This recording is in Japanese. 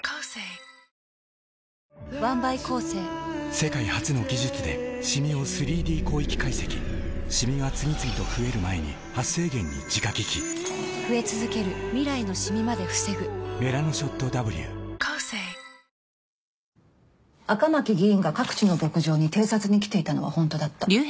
世界初の技術でシミを３Ｄ広域解析シミが次々と増える前に「メラノショットＷ」赤巻議員が各地の牧場に偵察に来ていたのはホントだった。